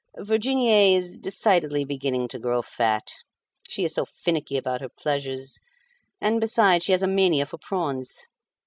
Virginie is decidedly beginning to grow fat. She is so finiky about her pleasures; and, besides, she has a mania for prawns."